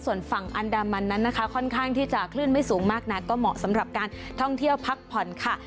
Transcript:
ส่วนฝั่งอันดามันนั้นนะคะค่อนข้างที่จะคลื่นไม่สูงมากนักก็เหมาะสำหรับการท่องเที่ยวพักผ่อนค่ะ